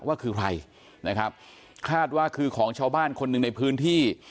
ว่าคือใครนะครับคาดว่าคือของชาวบ้านคนหนึ่งในพื้นที่